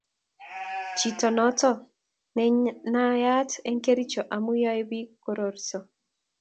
Chito noto nenayat eng Kericho amu yoe biik korariso